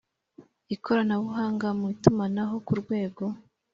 Ikoranabuhanga mu itumanaho ku rwego